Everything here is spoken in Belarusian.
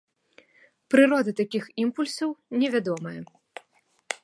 Прырода такіх імпульсаў невядомая.